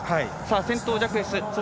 先頭はジャクエス。